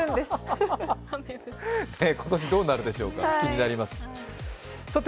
今年どうなるんでしょうか、気になります。